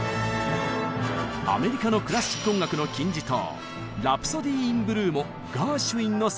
アメリカのクラシック音楽の金字塔「ラプソディー・イン・ブルー」もガーシュウィンの作品。